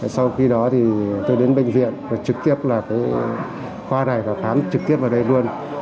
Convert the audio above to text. sau khi đó thì tôi đến bệnh viện và trực tiếp là khoa này và khám trực tiếp vào đây luôn